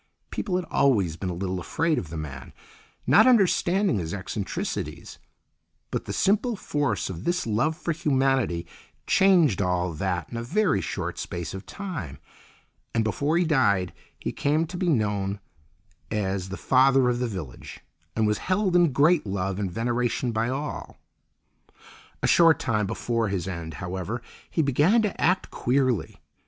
People had always been a little afraid of the man, not understanding his eccentricities, but the simple force of this love for humanity changed all that in a very short space of time; and before he died he came to be known as the Father of the Village and was held in great love and veneration by all. A short time before his end, however, he began to act queerly.